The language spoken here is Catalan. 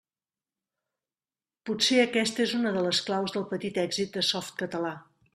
Potser aquesta és una de les claus del petit èxit de Softcatalà.